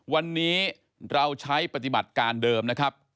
วันนี้เราใช้ปฏิบัติการเดิมนะครับ